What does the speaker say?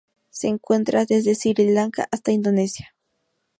Se encuentra desde Sri Lanka hasta Indonesia.